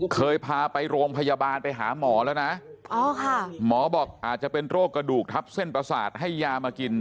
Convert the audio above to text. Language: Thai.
เคยพาไปโรงพยาบาลไปหาหมอแล้วนะหมอบอกอาจจะเป็นโรคกระดูกทับเส้นประสาทให้ยามากิน